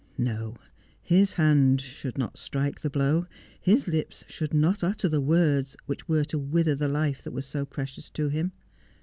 No. His hand should not strike the blow. His lips should not utter the words which were to wither the life that was so precious to him.